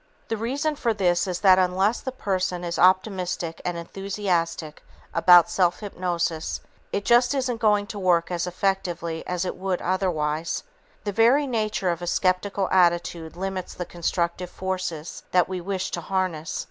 The reason for this is that unless the person is optimistic and enthusiastic about self hypnosis, it just isn't going to work as effectively as it would otherwise. The very nature of a skeptical attitude limits the constructive forces that we wish to harness.